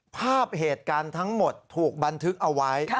ภาพเหตุการณ์ทั้งหมดถูกบันทึกเอาไว้